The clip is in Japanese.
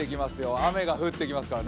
雨が降ってきますからね。